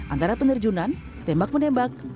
antara penerjunan tembak menembak bela diri dan panahan